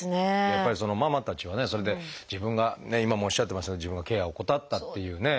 やっぱりママたちはそれで自分が今もおっしゃってましたけど自分がケアを怠ったっていうね。